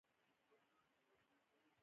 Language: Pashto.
زمهریر کله هم بې واورو نه پاتې کېږي.